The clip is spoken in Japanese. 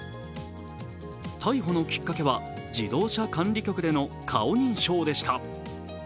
逮捕のきっかけは自動車管理局での顔認証でした。